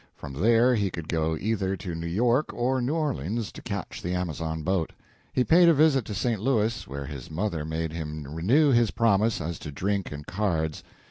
From there he could go either to New York or New Orleans to catch the Amazon boat. He paid a visit to St. Louis, where his mother made him renew his promise as to drink and cards.